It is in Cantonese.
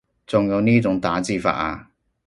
仲有呢種打字法啊